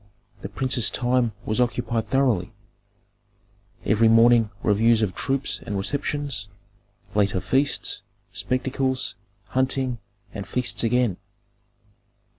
The prince's time was occupied thoroughly, every morning reviews of troops and receptions; later feasts, spectacles, hunting, and feasts again.